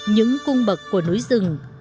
những cung bậc của núi rừng